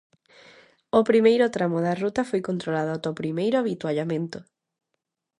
O primeiro tramo da ruta foi controlado ata o primeiro avituallamento.